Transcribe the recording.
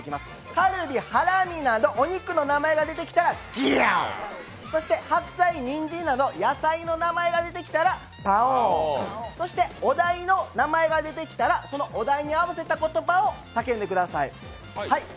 カルビ、ハラミなどお肉の名前が出てきたらガオ、そして白菜、にんじんなど野菜の名前が出てきたらパオンそしてお題の名前が出てきたらそのお題に合わせた言葉を叫んでください。